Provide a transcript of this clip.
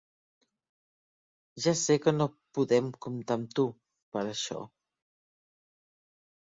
Ja sé que no podem comptar amb tu, per a això.